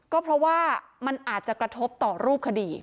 ก็เพราะว่ามันอาจจะกระทบต่อรูปคดี